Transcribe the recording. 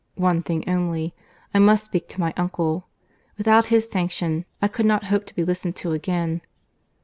—One thing only.—I must speak to my uncle. Without his sanction I could not hope to be listened to again.